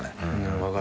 分かる。